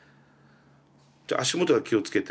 じゃあ足元は気をつけて。